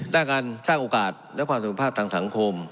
ด้านการสร้างโอกาสและความสุขภาพทางสังคม